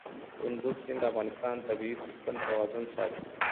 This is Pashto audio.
کندز سیند د افغانستان د طبعي سیسټم توازن ساتي.